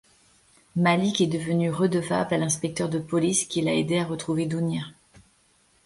Malik est devenu redevable à l'inspecteur de police, qui l'a aidé à retrouver Dounia.